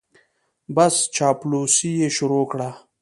بس چاپلوسي یې شروع کړه.